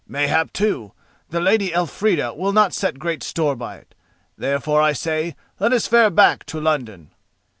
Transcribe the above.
Mayhap, too, the Lady Elfrida will not set great store by it. Therefore, I say, let us fare back to London."